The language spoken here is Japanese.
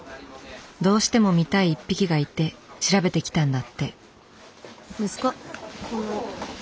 どうしても見たい一匹がいて調べて来たんだって。